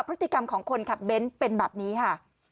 พฤติกรรมของคนขับเบ้นเป็นแบบนี้ค่ะ